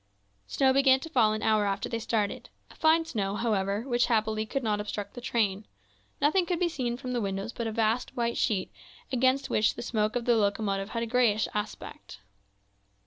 Snow began to fall an hour after they started, a fine snow, however, which happily could not obstruct the train; nothing could be seen from the windows but a vast, white sheet, against which the smoke of the locomotive had a greyish aspect.